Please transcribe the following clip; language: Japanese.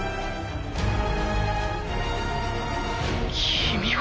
君は。